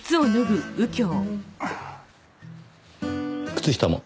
靴下も？